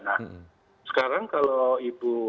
nah sekarang kalau ibu